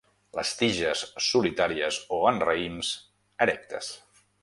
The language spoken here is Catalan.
Les tiges solitàries o en raïms, erectes.